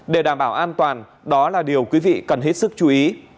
để đảm bảo an toàn đó là điều quý vị cần hết sức chú ý